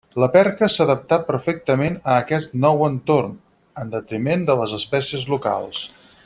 La perca s'adaptà perfectament a aquest nou entorn, en detriment de les espècies locals.